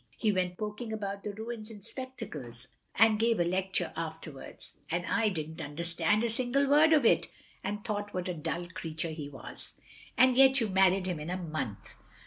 He went poking about the ruins in spectacles, and gave a lecture afterwards; and I didn't understand a single word of it, and thought what a dtill creature he was." "And yet you married him in a month!"